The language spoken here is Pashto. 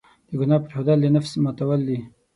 د ګناه پرېښودل، د نفس ماتول دي.